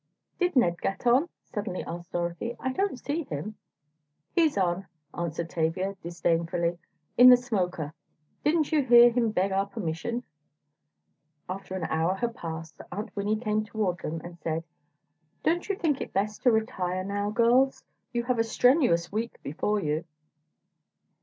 "Did Ned get on?" suddenly asked Dorothy. "I don't see him." "He's on," answered Tavia, disdainfully, "in the smoker. Didn't you hear him beg our permission?" After an hour had passed Aunt Winnie came toward them and said: "Don't you think it best to retire now, girls? You have a strenuous week before you."